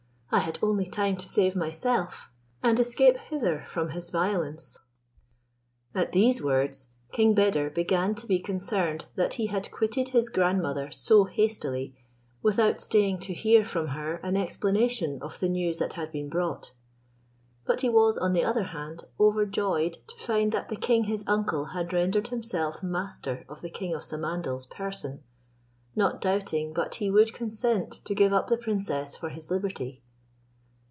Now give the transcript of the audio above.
I had only time to save myself, and escape hither from his violence." At these words King Beder began to be concerned that he had quitted his grandmother so hastily, without staying to hear from her an explanation of the news that had been brought. But he was, on the other hand, overjoyed to find that the king his uncle had rendered himself master of the king of Samandal's person, not doubting but he would consent to give up the princess for his liberty.